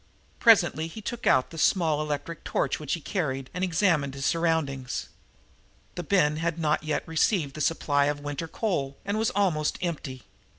Presently he took out the small electric torch which he carried and examined his surroundings. The bin had not yet received the supply of winter coal and was almost empty.